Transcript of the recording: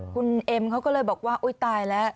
คุณเอ็มเขาก็เลยบอกว่าอุ๊ยตายแล้ว